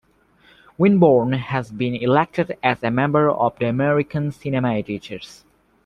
Winborne has been elected as a member of the American Cinema Editors.